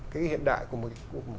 cái hiện đại của một